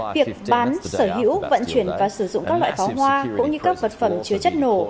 việc bán sở hữu vận chuyển và sử dụng các loại pháo hoa cũng như các vật phẩm chứa chất nổ